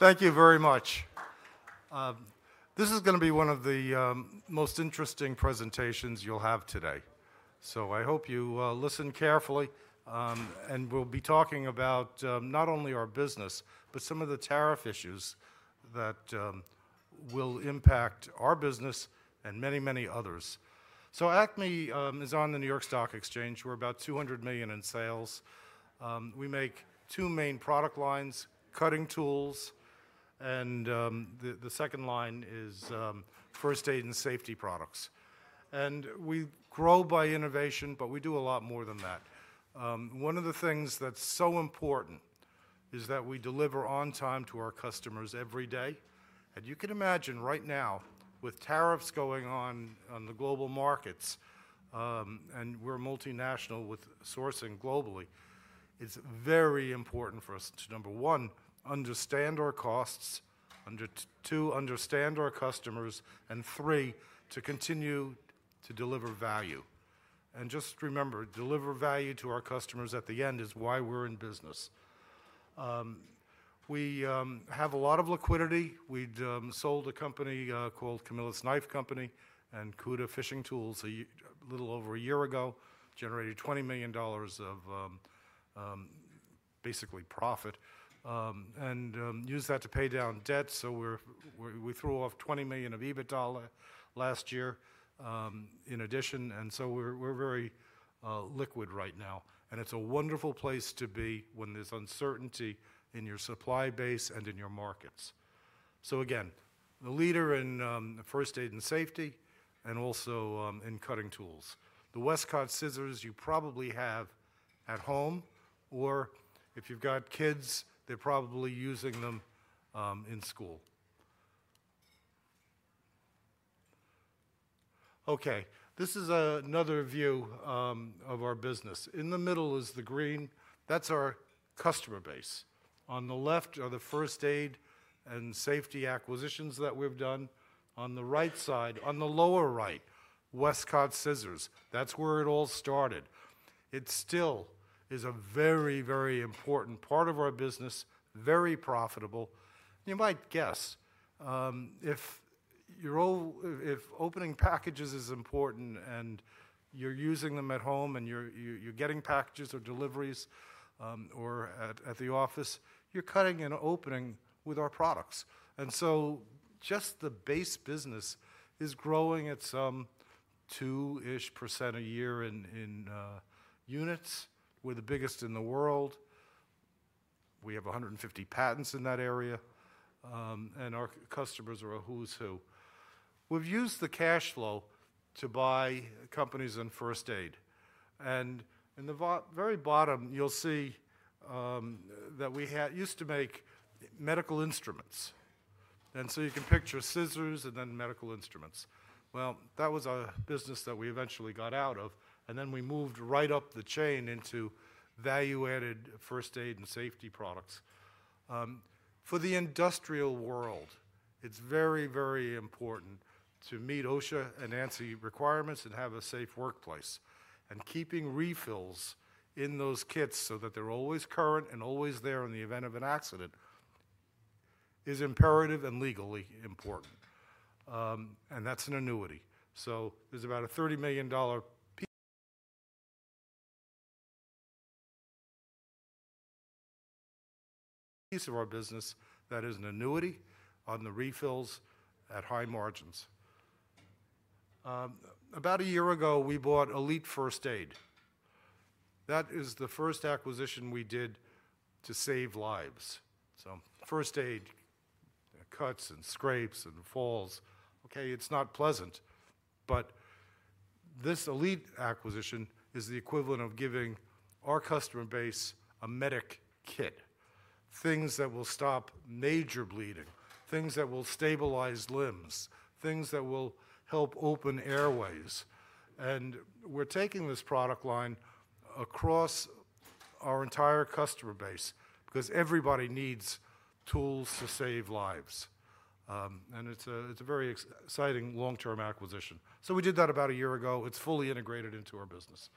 Thank you very much. This is going to be one of the most interesting presentations you'll have today. I hope you listen carefully and we'll be talking about not only our business, but some of the tariff issues that will impact our business and many, many others. Acme is on the New York Stock Exchange. We're about $200 million in sales. We make two main product lines, cutting tools, and the second line is first aid and safety products. We grow by innovation, but we do a lot more than that. One of the things that's so important is that we deliver on time to our customers every day. You can imagine right now with tariffs going on in the global markets and we're multinational with sourcing globally, it's very important for us to, number one, understand our costs, two, understand our customers, and three, to continue to deliver value. Just remember, deliver value to our customers at the end is why we're in business. We have a lot of liquidity. We sold a company called Camillus Knife Company and Cuda Fishing Tools a little over a year ago, generated $20 million of basically profit and used that to pay down debt. We threw off $20 million of EBITDA last year in addition. We are very liquid right now. It's a wonderful place to be when there's uncertainty in your supply base and in your markets. Again, the leader in first aid and safety and also in cutting tools. The Westcott scissors you probably have at home, or if you've got kids, they're probably using them in school. Okay, this is another view of our business. In the middle is the green. That's our customer base. On the left are the first aid and safety acquisitions that we've done. On the right side, on the lower right, Westcott scissors. That's where it all started. It still is a very, very important part of our business. Very profitable, you might guess. If opening packages is important and you're using them at home and you're getting packages or deliveries or at the office, you're cutting and opening with our products. Just the base business is growing at some 2% a year in units. We're the biggest in the world. We have 150 patents in that area. And our customers are a who's who. We've used the cash flow to buy companies on first aid. In the very bottom, you'll see that we used to make medical instruments. You can picture scissors and then medical instruments. That was a business that we eventually got out of and then we moved right up the chain into value added first aid and safety products for the industrial world. It's very, very important to meet OSHA and ANSI requirements and have a safe workplace. Keeping refills in those kits so that they're always current and always there in the event of an accident is imperative and legally important. That's an annuity. There's about a $30 million piece of our business that is an annuity on the refills at high margins. About a year ago we bought Elite First Aid. That is the first acquisition we did to save lives. First aid, cuts and scrapes and falls, okay, it's not pleasant. This Elite acquisition is the equivalent of giving our customer base a medic kit. Things that will stop major bleeding, things that will stabilize limbs, things that will help open airways. We're taking this product line across our entire customer base because everybody needs tools to save lives. It's a very exciting long term acquisition. We did that about a year ago. It's fully integrated into our business.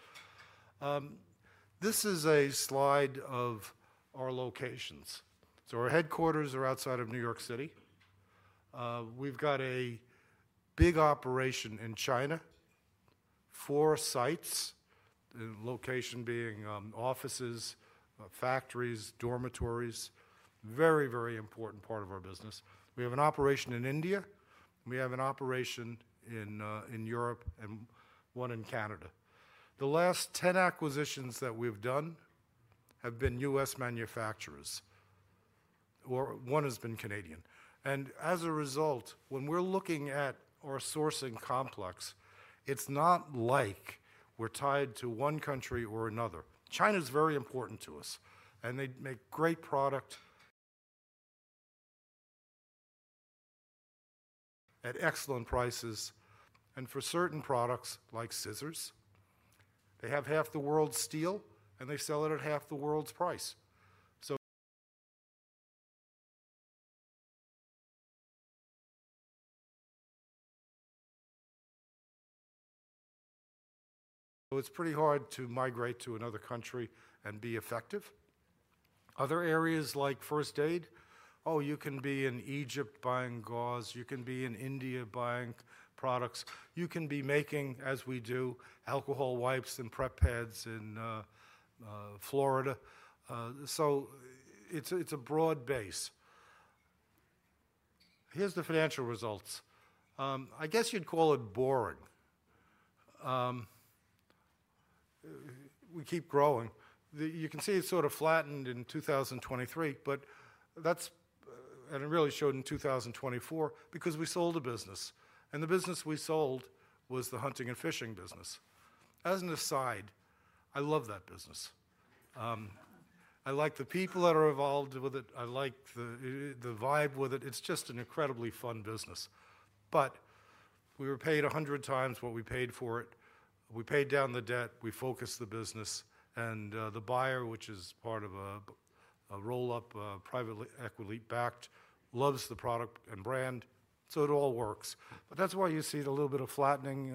This is a slide of our locations. Our headquarters are outside of New York City. We've got a big operation in China. Four sites, location being offices, factories, dormitories, very, very important part of our business. We have an operation in India, we have an operation in Europe and one in Canada. The last 10 acquisitions that we've done have been US manufacturers or one has been Canadian. As a result, when we're looking at our sourcing complex, it's not like we're tied to one country or another. China is very important to us and they make great product at excellent prices. For certain products like scissors, they have half the world's steel and they sell it at half the world's price. It's pretty hard to migrate to another country and be effective. Other areas like first aid, you can be in Egypt buying gauze, you can be in India buying products. You can be making, as we do, alcohol wipes and prep pads in Florida. It's a broad base. Here's the financial results. I guess you'd call it boring. We keep growing. You can see it sort of flattened in 2023, but that's. It really showed in 2024 because we sold a business and the business we sold was the hunting and fishing business. As an aside, I love that business. I like the people that are involved with it. I like the vibe with it. It's just an incredibly fun business. We were paid 100 times what we paid for it, we paid down the debt, we focused the business, and the buyer, which is part of a roll up private equity backed, loves the product and brand. It all works. That is why you see a little bit of flattening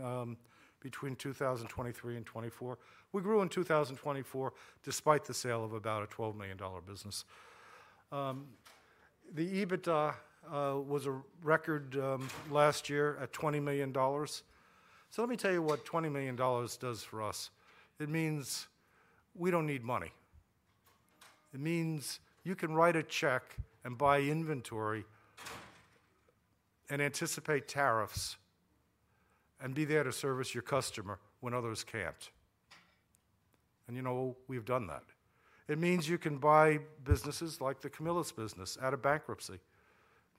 between 2023 and 2024. We grew in 2024, despite the sale of about a $12 million business. The EBITDA was a record last year at $20 million. Let me tell you what $20 million does for us. It means we do not need money. It means you can write a check and buy inventory and anticipate tariffs and be there to service your customer when others can't. And you know, we've done that. It means you can buy businesses like the Camillus business out of bankruptcy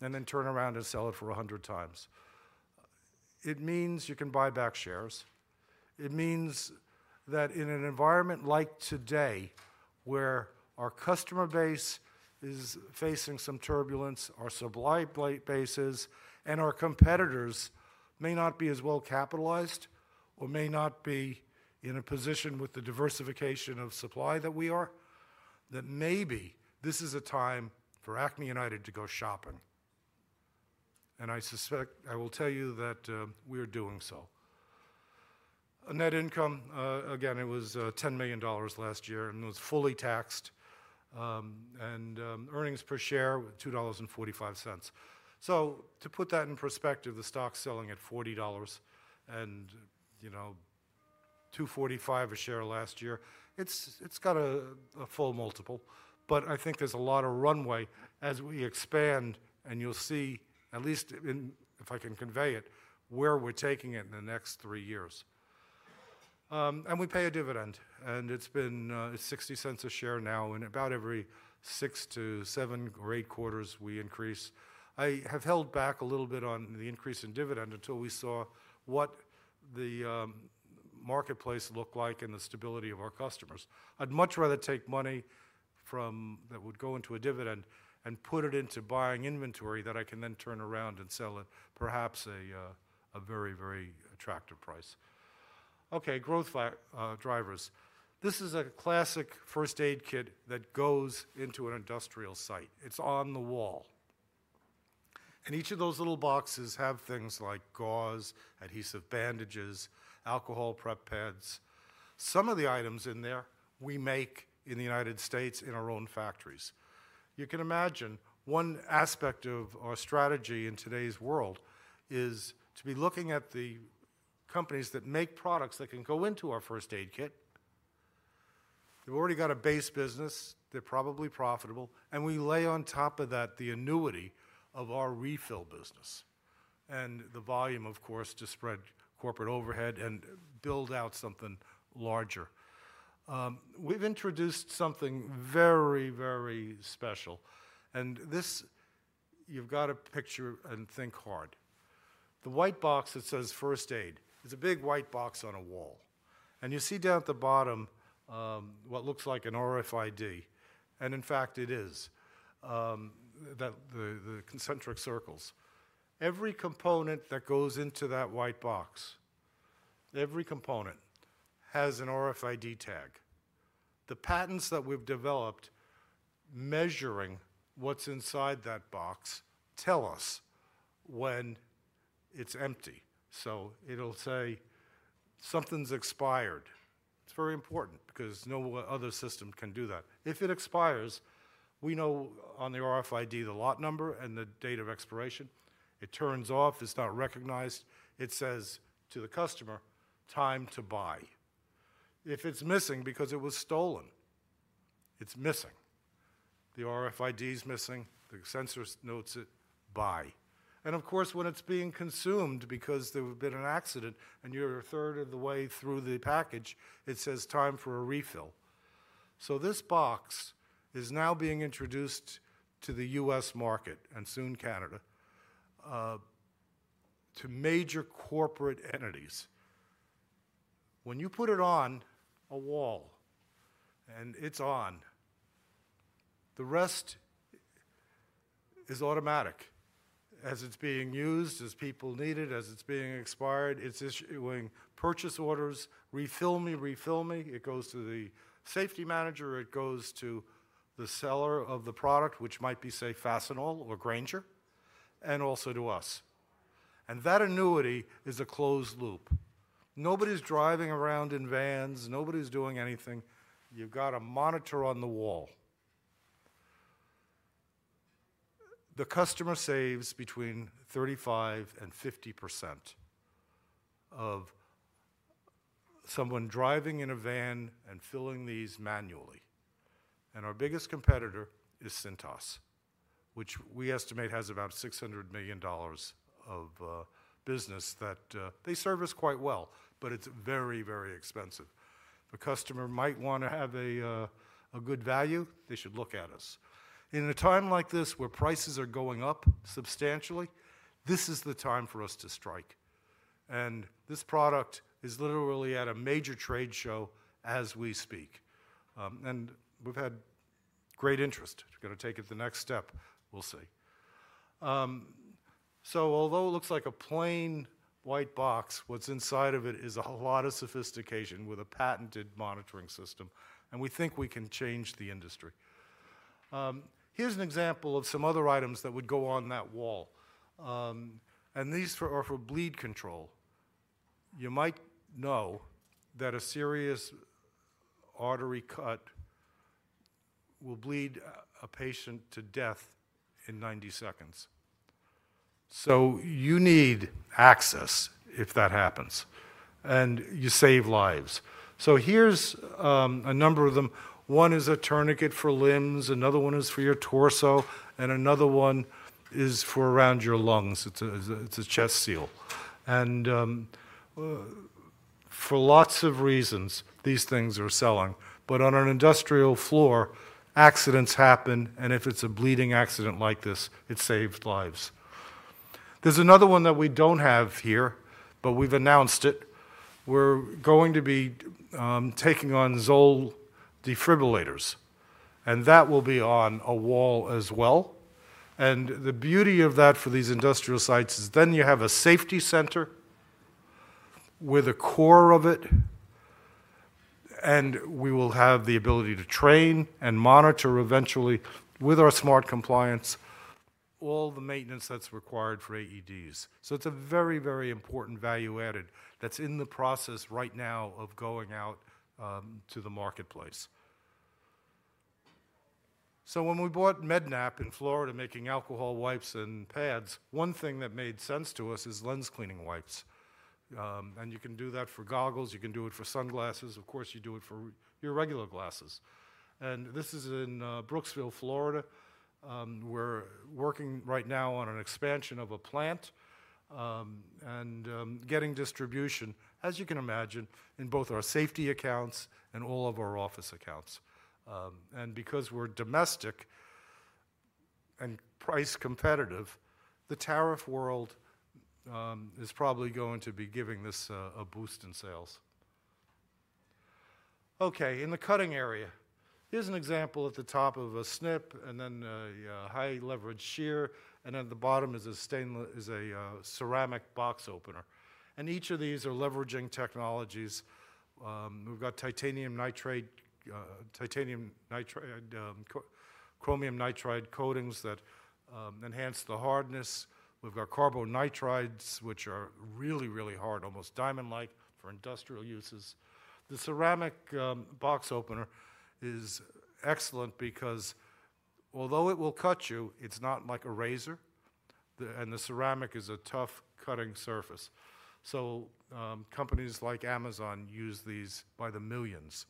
and then turn around and sell it for 100 times. It means you can buy back shares. It means that in an environment like today where our customer base is facing some turbulence, our supply base is, and our competitors may not be as well capitalized or may not be in a position with the diversification of supply that we are, that maybe this is a time for Acme United to go shopping. And I suspect I will tell you that we are doing so. Net income, again, it was $10 million last year and was fully taxed and earnings per share, $2.45. To put that in perspective, the stock's selling at $40 and, you know, $2.45 a share last year. It's got a full multiple. I think there's a lot of runway as we expand. You'll see, at least if I can convey it, where we're taking it in the next three years. We pay a dividend and it's been $0.60 a share now in about every six to seven or eight quarters we increase. I have held back a little bit on the increase in dividend until we saw what the marketplace looked like and the stability of our customers. I'd much rather take money from that would go into a dividend and put it into buying inventory that I can then turn around and sell at perhaps a very, very attractive price. Okay, growth drivers. This is a classic first aid kit that goes into an industrial site. It's on the wall. Each of those little boxes have things like gauze, adhesive bandages, alcohol, prep pads. Some of the items in there we make in the United States in our own factories. You can imagine one aspect of our strategy in today's world is to be looking at the companies that make products that can go into our first aid kit. They've already got a base business. They're probably profitable. We lay on top of that the annuity of our refill business and the volume, of course, to spread corporate overhead and build out something larger. We've introduced something very, very special. You. You've got a picture. Think hard. The white box that says first aid is a big white box on a wall. You see down at the bottom what looks like an RFID. In fact, it is the concentric circles. Every component that goes into that white box, every component has an RFID tag. The patents that we've developed, measuring what's inside that box, tell us when it's empty. It will say something's expired. It's very important because no other system can do that. If it expires, we know on the RFID the lot number and the date of expiration. It turns off, it's not recognized. It says to the customer, time to buy. If it's missing because it was stolen, it's missing. The RFID is missing. The sensor notes it, buy. Of course, when it's being consumed, because there's been an accident and you're a third of the way through the package, it says, time for a refill. This box is now being introduced to the US market and soon Canada, to major corporate entities. When you put it on a wall and it's on, the rest is automatic. As it's being used as people need it, as it's being expired, it's issuing purchase orders. Refill me, refill me. It goes to the safety manager, it goes to the seller of the product, which might be, say, Fastenal or Grainger, and also to us. That annuity is a closed loop. Nobody's driving around in vans, nobody's doing anything. You've got a monitor on the wall. The customer saves between 35% and 50% of someone driving in a van and filling these manually. Our biggest competitor is Cintas, which we estimate has about $600 million of business that they serve us quite well. It is very, very expensive. The customer might want to have a good value. They should look at us in a time like this where prices are going up substantially. This is the time for us to strike. This product is literally at a major trade show as we speak. We've had great interest. We're going to take it the next step. We'll see. Although it looks like a plain white box, what's inside of it is a lot of sophistication with a patented monitoring system. We think we can change the industry. Here's an example of some other items that would go on that wall, and these are for bleed control. You might know that a serious artery cut will bleed a patient to death in 90 seconds. You need access if that happens and you save lives. Here's a number of them. One is a tourniquet for limbs, another one is for your torso, and another one is for around your lungs. It's a chest seal. For lots of reasons, these things are selling. On an industrial floor, accidents happen. If it's a bleeding accident like this, it saves lives. There's another one that we don't have here, but we've announced it. We're going to be taking on ZOLL defibrillators and that will be on a wall as well. The beauty of that for these industrial sites is you have a safety center with a core of it. We will have the ability to train and monitor eventually with our smart compliance, all the maintenance that's required for AEDs. It's a very, very important value added that's in the process right now of going out to the marketplace. When we bought Med-Nap in Florida, making alcohol wipes and pads, one thing that made sense to us is lens cleaning wipes. You can do that for goggles, you can do it for sunglasses. Of course, you do it for your regular glasses. This is in Brooksville, Florida. We're working right now on an expansion of a plant and getting distribution, as you can imagine, in both our safety accounts and all of our office accounts. Because we're domestic and price competitive, the tariff world is probably going to be giving this a boost in sales. In the cutting area, here's an example. At the top of a SNP and then high leverage shear, and at the bottom is a steel is a ceramic box opener. Each of these are leveraging technologies. We've got chromium nitride coatings that enhance the hardness. We've got carbonitrides, which are really, really hard, almost diamond-like for industrial uses. The ceramic box opener is excellent because although it will cut you, it's not like a razor. And the ceramic is a tough cutting surface. Companies like Amazon use these by the millions.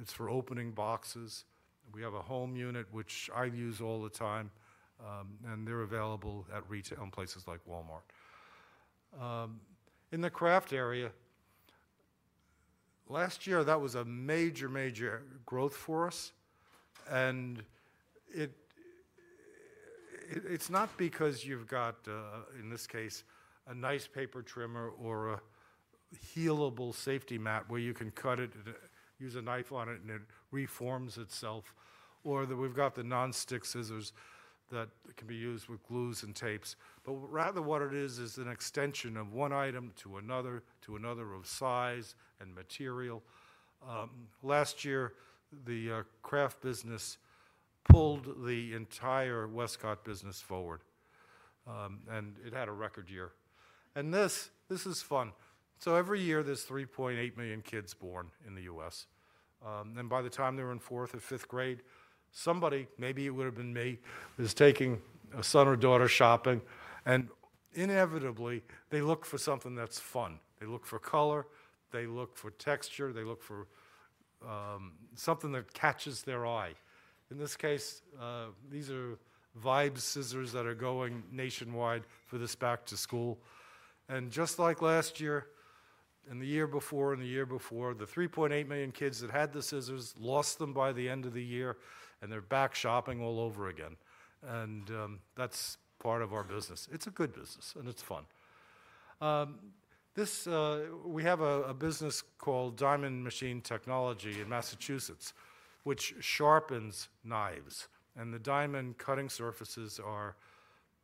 It's for opening boxes. We have a home unit which I use all the time. They're available at retail in places like Walmart in the craft area. Last year, that was a major, major growth for us. It's not because you've got in this case a nice paper trimmer or a healable safety mat where you can cut it, use a knife on it and it reforms itself, or that we've got the non-stick scissors that can be used with glues and tapes. What it is is an extension of one item to another, to another of size and material. Last year the craft business pulled the entire Westcott business forward and it had a record year. This is fun. Every year there are 3.8 million kids born in the U.S., and by the time they are in fourth or fifth grade, somebody, maybe it would have been me, is taking a son or daughter shopping and inevitably they look for something that's fun. They look for color, they look for texture, they look for something that catches their eye. In this case, these are Vibes scissors that are going nationwide for this back to school. Just like last year and the year before and the year before, the 3.8 million kids that had the scissors lost them by the end of the year and they're back shopping all over again. That's part of our business. It's a good business and it's fun. We have a business called Diamond Machine Technology in Massachusetts which sharpens knives and the diamond cutting surfaces are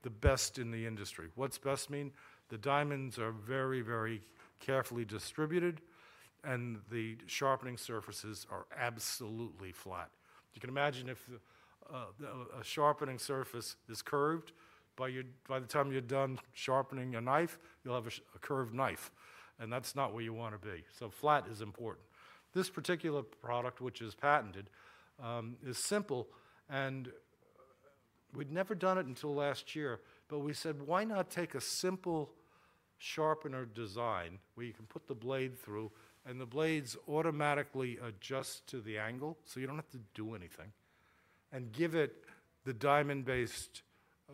the best in the industry. What's best mean? The diamonds are very, very carefully distributed and the sharpening surfaces are absolutely flat. You can imagine if a sharpening surface is curved, by the time you're done sharpening your knife, you'll have a curved knife and that's not where you want to be. Flat is important. This particular product, which is patented, is simple and we'd never done it until last year, but we said why not take a simple sharpener design where you can put the blade through and the blades automatically adjust to the angle so you don't have to do anything and give it the diamond based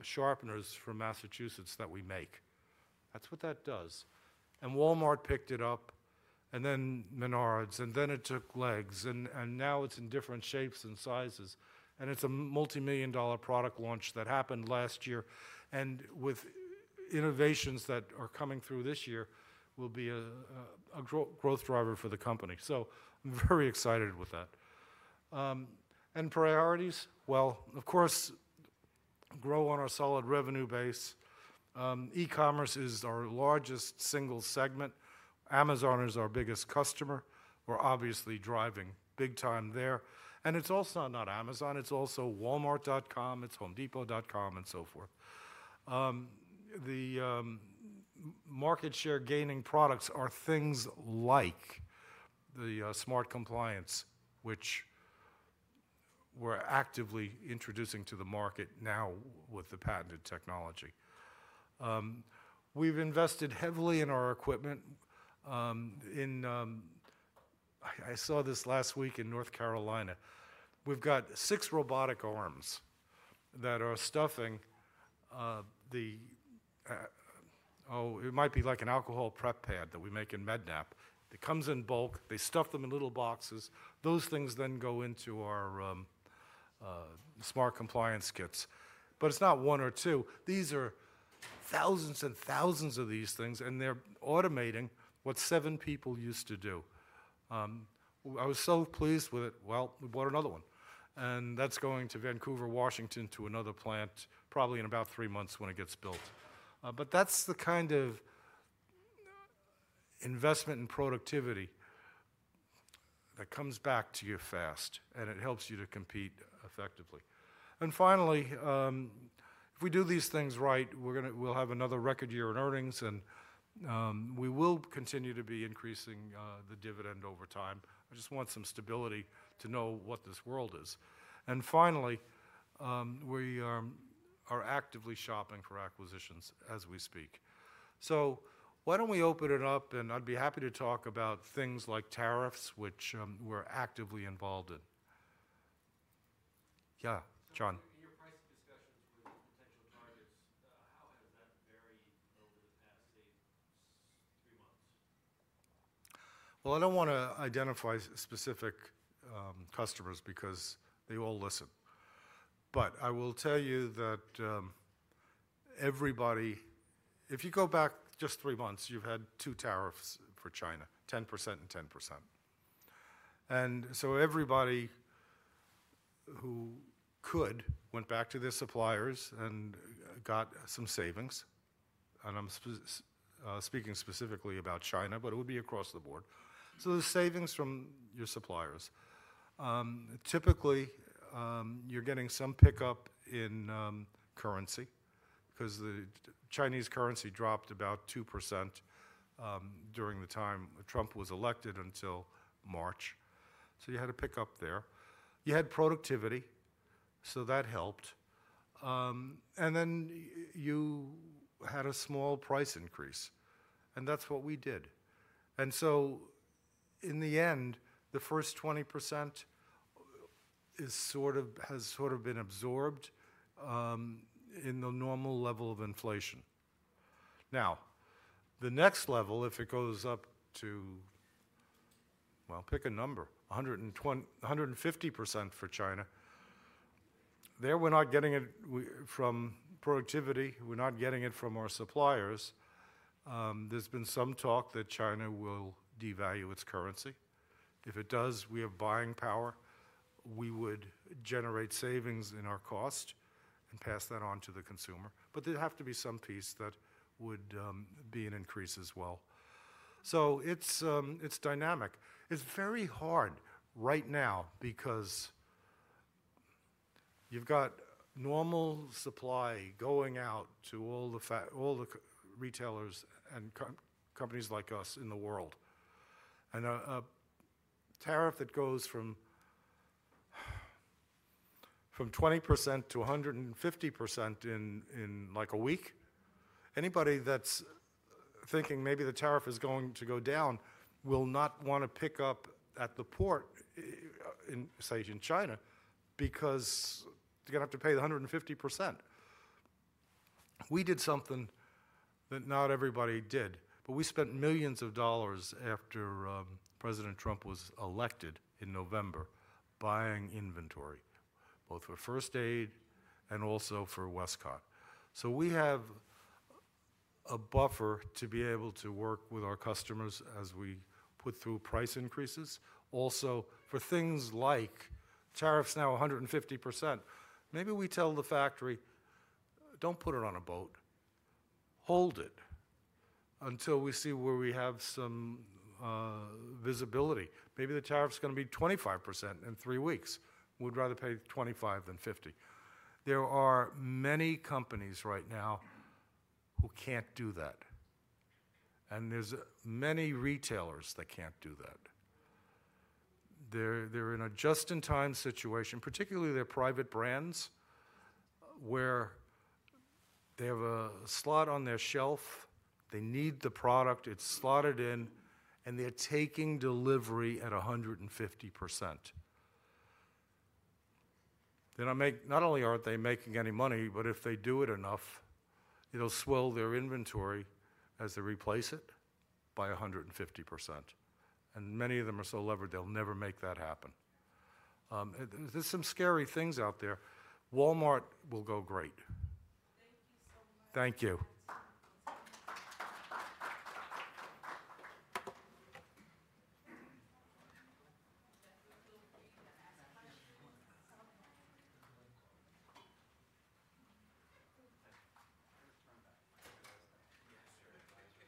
sharpeners from Massachusetts that we make. That's what that does. Walmart picked it up and then Menards and then it took legs and now it's in different shapes and sizes and it's a multimillion dollar product launch that happened last year and with innovations that are coming through this year will be a growth driver for the company. I'm very excited with that and priorities, of course, grow on our solid revenue base. E-commerce is our largest single segment. Amazon is our biggest customer. We're obviously driving big time there. It is also not Amazon, it is also Walmart.com, it is HomeDepot.com and so forth. The market share gaining products are things like the smart compliance, which we are actively introducing to the market. Now with the patented technology, we have invested heavily in our equipment. I saw this last week in North Carolina. We have six robotic arms that are stuffing the—oh, it might be like an alcohol prep pad that we make in Med-Nap. It comes in bulk. They stuff them in little boxes. Those things then go into our smart compliance kits. It is not one or two. These are thousands and thousands of these things and they are automating what seven people used to do. I was so pleased with it. We bought another one and that is going to Vancouver, Washington to another plant probably in about three months when it gets built. That's the kind of investment in productivity that comes back to you fast and it helps you to compete effectively. Finally, if we do these things right, we'll have another record year in earnings and we will continue to be increasing the dividend over time. I just want some stability to know what this world is. Finally, we are actively shopping for acquisitions as we speak. Why don't we open it up? I'd be happy to talk about things like tariffs, which we're actively involved in. Yeah, John. With potential targets. How has that varied over the past three months? I don't want to identify specific customers because they all listen. I will tell you that everybody, if you go back just three months, you've had two tariffs for China, 10% and 10%. Everybody who could went back to their suppliers and got some savings. I'm speaking specifically about China, but it would be across the board. The savings from your suppliers, typically you're getting some pickup in currency because the Chinese currency dropped about 2% during the time Trump was elected until March. You had a pickup there, you had productivity, so that helped. You had a small price increase. That's what we did. In the end, the first 20% has sort of been absorbed in the normal level of inflation. The next level, if it goes up to, well, pick a number, 150% for China there. We're not getting it from productivity, we're not getting it from our suppliers. There's been some talk that China will devalue its currency. If it does, we have buying power. We would generate savings in our cost and pass that on to the consumer. There'd have to be some piece that would be an increase as well. It's dynamic. It's very hard right now because you've got normal supply going out to all the retailers and companies like us in the world and a tariff that goes from 20% to 150% in like a week. Anybody that's thinking maybe the tariff is going to go down will not want to pick up at the port, say, in China, because they're going to have to pay the 150%. We did something that not everybody did, but we spent millions of dollars after President Trump was elected in November buying inventory, both for first aid and also for Westcott. We have a buffer to be able to work with our customers as we put through price increases. Also for things like tariffs, now 150%, maybe we tell the factory, don't put it on a boat, hold it until we see where we have some visibility. Maybe the tariff's going to be 25% in three weeks. We'd rather pay 25% than 50%. There are many companies right now who can't do that, and there's many retailers that can't do that. They're in a just in time situation, particularly their private brands where they have a slot on their shelf. They need the product, it's slotted in and they're taking delivery at 150%. Not only aren't they making any money, but if they do it enough, it'll swell their inventory as they replace it by 150%. And many of them are so levered, they'll never make that happen. There's some scary things out there. Walmart will go great. Thank you.